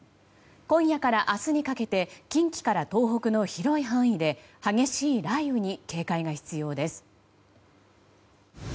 今夜から明日にかけて近畿から東北の広い範囲で激しい雷雨に警戒が必要です。